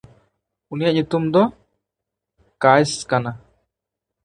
ᱩᱱᱤᱭᱟᱜ ᱧᱩᱛᱩᱢ ᱫᱚ ᱠᱟᱭᱥ ᱠᱟᱱᱟ᱾